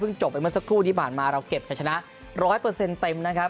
จบไปเมื่อสักครู่ที่ผ่านมาเราเก็บจะชนะ๑๐๐เต็มนะครับ